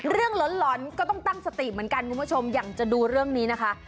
หลอนก็ต้องตั้งสติเหมือนกันคุณผู้ชมอยากจะดูเรื่องนี้นะคะ